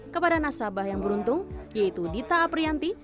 kepada nasabah yang beruntung yaitu dita aprianti